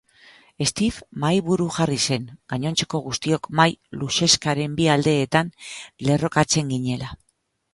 Steve mahaiburu jarri zen, gainontzeko guztiok mahai luzexkaren bi aldeetan lerrokatzen ginela.